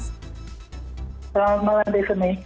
selamat malam tiffany